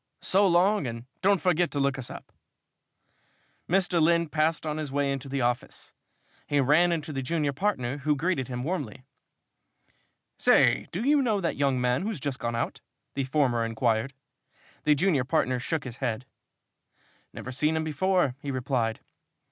So long, and don't forget to look us up." Mr. Lynn passed on his way into the office. He ran into the junior partner, who greeted him warmly. "Say, do you know that young man who's just gone out?" the former inquired. The junior partner shook his head. "Never seen him before," he replied.